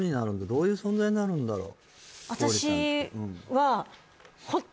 どういう存在になるんだろう？